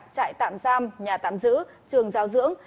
trại tạm giam nhà tạm giữ trường giao dưỡng